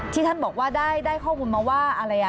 ที่ท่านบอกว่าได้ข้อมูลมาว่าอะไร